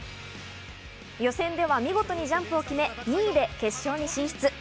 予選では見事にジャンプを決め、２位で決勝に進出。